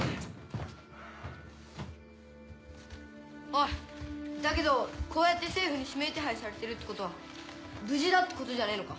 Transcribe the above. おいだけどこうやって政府に指名手配されてるってことは無事だってことじゃねえのか？